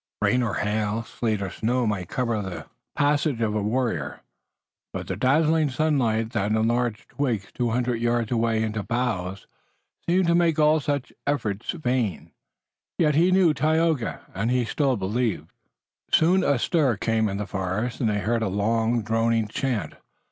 Rain or hail, sleet or snow might cover the passage of a warrior, but the dazzling sunlight that enlarged twigs two hundred yards away into boughs, seemed to make all such efforts vain. Yet he knew Tayoga, and he still believed. Soon a stir came in the forest, and they heard a long, droning chant.